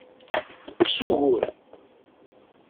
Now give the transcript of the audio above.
Kkes ugur!